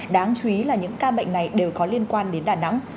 đáng chú ý là những ca bệnh này đều có liên quan đến đà nẵng